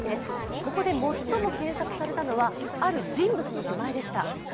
ここで最も検索されたのはある人物の名前でした。